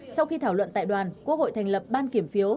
sau khi thảo luận tại đoàn quốc hội thành lập ban kiểm phiếu